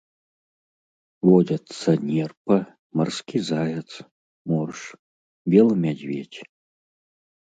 Водзяцца нерпа, марскі заяц, морж, белы мядзведзь.